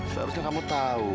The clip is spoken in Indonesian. seharusnya kamu tahu